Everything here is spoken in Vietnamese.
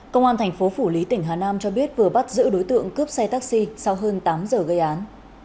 công an thành phố phủ lý tỉnh hà nam cho biết vừa bắt giữ đối tượng cướp xe taxi sau hơn tám giờ gây án